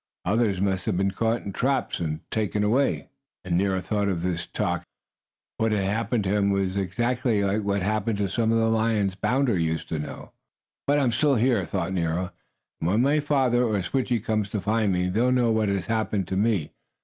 "Others must have been caught in traps and taken away." And Nero thought of this talk as he licked his sore paw in the jungle cave. What had happened to him was exactly like what had happened to some of the lions Bounder used to know. "But I am still here," thought Nero; "and when my father or Switchie comes to find me they will know what has happened to me.